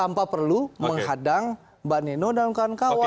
lalu menghadang mbak nino dan kawan kawan